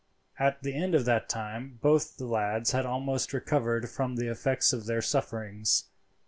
At the end of that time both the lads had almost recovered from the effects of their sufferings.